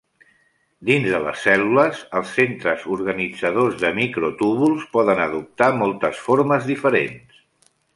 Dins de les cèl·lules, els centres organitzadors de microtúbuls poden adoptar moltes formes diferents.